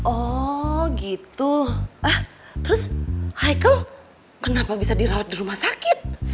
oh gitu ah terus haichael kenapa bisa dirawat di rumah sakit